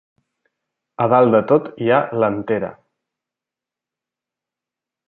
A dalt de tot hi ha l'antera.